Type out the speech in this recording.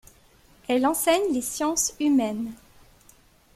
Elle enseigne les sciences humaines.